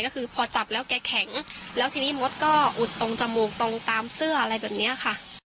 ก็คือพอจับแล้วแกแข็งแล้วทีนี้มดก็อุดตรงจมูกตรงตามเสื้ออะไรแบบนี้ค่ะ